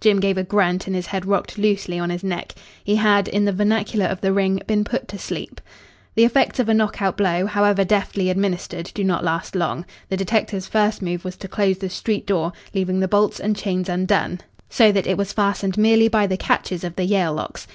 Jim gave a grunt and his head rocked loosely on his neck. He had, in the vernacular of the ring, been put to sleep. The effects of a knockout blow, however deftly administered, do not last long. The detective's first move was to close the street door, leaving the bolts and chains undone, so that it was fastened merely by the catches of the Yale locks.